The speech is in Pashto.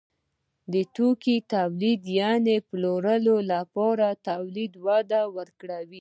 د توکو تولید یعنې د پلورلو لپاره تولید وده وکړه.